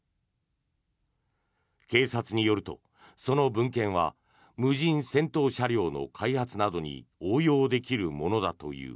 警察によると、その文献は無人戦闘車両の開発などに応用できるものだという。